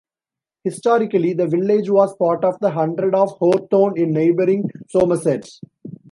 Historically the village was part of the hundred of Horethorne in neighbouring Somerset.